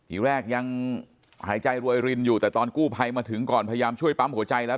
อีกแรกยังหายใจรวยรินอยู่แต่ตอนกู้ภัยมาถึงก่อนพยายามช่วยปั๊มหัวใจแล้ว